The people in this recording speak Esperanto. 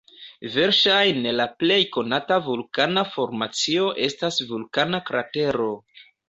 Verŝajne la plej konata vulkana formacio estas vulkana kratero.